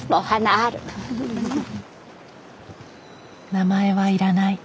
名前はいらない。